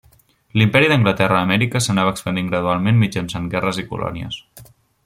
L'imperi d'Anglaterra a Amèrica s'anava expandint gradualment mitjançant guerres i colònies.